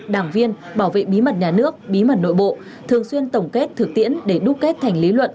đảng viên bảo vệ bí mật nhà nước bí mật nội bộ thường xuyên tổng kết thực tiễn để đúc kết thành lý luận